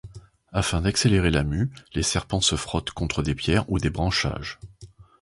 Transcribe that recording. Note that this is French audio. Afin d'accélérer la mue, les serpents se frottent contre des pierres ou des branchages.